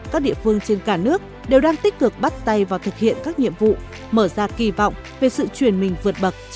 các địa phương trên cả nước đều đang tích cực bắt tay vào thực hiện các nhiệm vụ mở ra kỳ vọng về sự chuyển mình vượt bậc trong năm năm tới